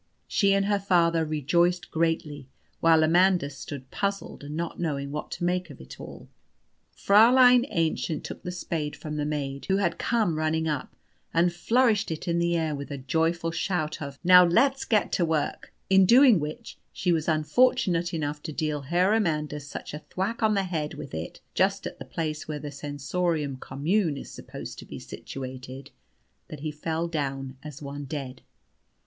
She and her father rejoiced greatly, while Amandus stood puzzled, and not knowing what to make of it all. Fräulein Aennchen took the spade from the maid, who had come running up, and flourished it in the air with a joyful shout of "Now let's set to work," in doing which she was unfortunate enough to deal Herr Amandus such a thwack on the head with it (just at the place where the Sensorium Commune is supposed to be situated) that he fell down as one dead.